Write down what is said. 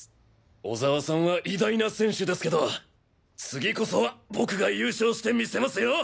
小沢さんは偉大な選手ですけど次こそは僕が優勝してみせますよ。